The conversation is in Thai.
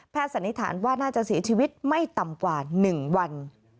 สันนิษฐานว่าน่าจะเสียชีวิตไม่ต่ำกว่า๑วัน